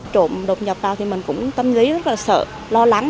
trộm đột nhập vào thì mình cũng tâm lý rất là sợ lo lắng